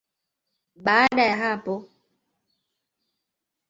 Baada ya hapo mnyama alipotea msituni hadi aliporudi tena kwenye ubingwa